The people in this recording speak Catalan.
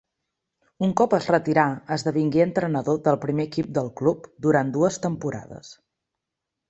Un cop es retirà esdevingué entrenador del primer equip del club durant dues temporades.